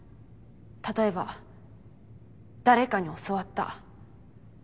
例えば誰かに教わった。